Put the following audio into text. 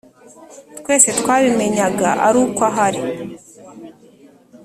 twese twabimenyaga aruko ahari